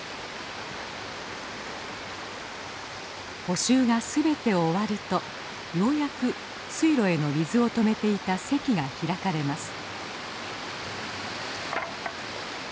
補修が全て終わるとようやく水路への水を止めていた堰が開かれます。